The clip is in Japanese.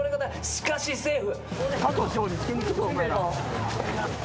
しかしセーフ。